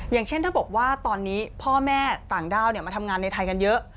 อย่างเช่นถ้าบอกว่าตอนนี้พ่อแม่ต่างด้าวมาทำงานในไทยกันเยอะ